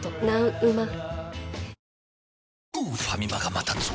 うまっ！！